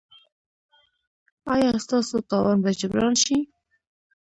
ایا ستاسو تاوان به جبران شي؟